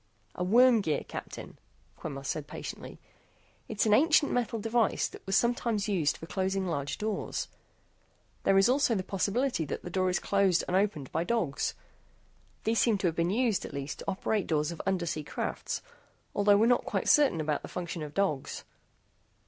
"A worm gear, Captain," Quemos said patiently. "It's an ancient metal device that was sometimes used for closing large doors. There is also the possibility that the door is closed and opened by dogs. These seem to have been used, at least, to operate doors of undersea crafts. Although we're not quite certain about the function of dogs."